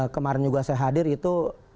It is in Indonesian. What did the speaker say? kemarin juga saya hadir itu